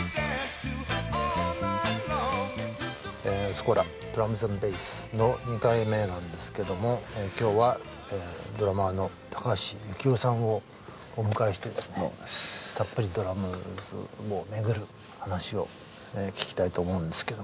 「スコラドラムズ＆ベース」の２回目なんですけども今日はドラマーの高橋幸宏さんをお迎えしてですねたっぷりドラムズを巡る話を聞きたいと思うんですけどもね。